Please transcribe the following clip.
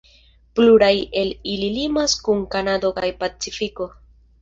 Pluraj el ili limas kun Kanado kaj Pacifiko.